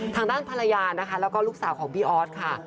ทางด้านภรรยานะคะแล้วก็ลูกสาวของพี่ออสค่ะ